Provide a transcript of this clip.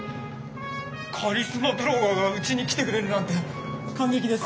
カリスマブロガーがうちに来てくれるなんて感激です！